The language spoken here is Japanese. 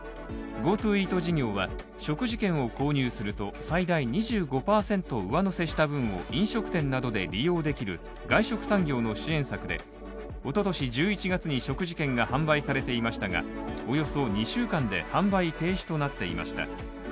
ＧｏＴｏイート事業は、食事券を購入すると最大２５％上乗せした分を飲食店などで利用できる外食産業の支援策でおととし１１月に食事券が販売されていましたがおよそ２週間で販売停止となっていました。